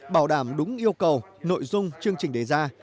bảo đảm đúng yêu cầu nội dung chương trình đề ra